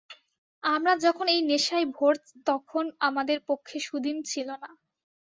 আমরা যখন এই নেশায় ভোর তখন আমাদের পক্ষে সুদিন ছিল না।